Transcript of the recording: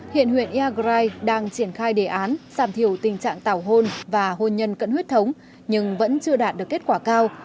hiện huyện iagrai đang triển khai đề án giảm thiểu tình trạng tảo hôn và hôn nhân cận huyết thống nhưng vẫn chưa đạt được kết quả cao